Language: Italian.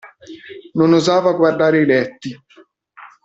Non osava guardare i letti.